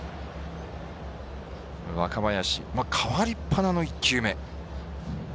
若林かわりばなの１球目。